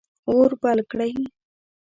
اور بل کړئ